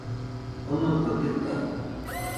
Onokaɨ dɨkaɨ